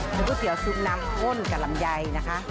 เป็นก๋วยเตี๋ยวซุปน้ำข้นกับลำไยนะคะ